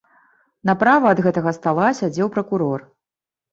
Направа ад гэтага стала сядзеў пракурор.